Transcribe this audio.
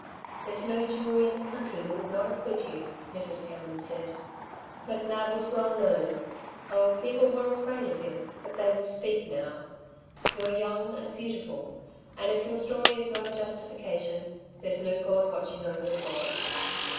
"There's no jury in the country that would not acquit you," Mrs. Cameron said. "McNab was well known. Oh, people were afraid of him, but they will speak now. You're young and beautiful, and if your story is not a justification there's no God watching over the world."